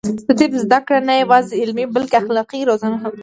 د طب زده کړه نه یوازې علمي، بلکې اخلاقي روزنه هم ده.